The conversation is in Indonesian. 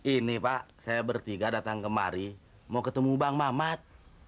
ini pak saya bertiga datang kemari mau ketemu bang mamat